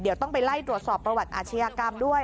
เดี๋ยวต้องไปไล่ตรวจสอบประวัติอาชญากรรมด้วย